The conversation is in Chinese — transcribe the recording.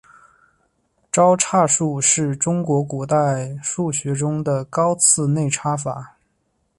招差术是中国古代数学中的高次内插法。